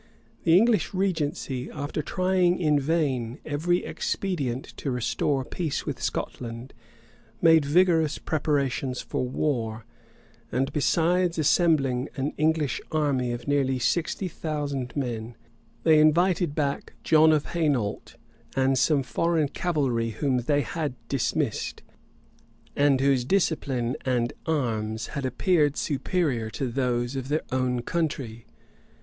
The English regency, after trying in vain every expedient to restore peace with Scotland, made vigorous preparations for war; and besides assembling an English army of near sixty thousand men, they invited back John of Hainault, and some foreign cavalry whom they had dismissed, and whose discipline and arms had appeared superior to those of their own country.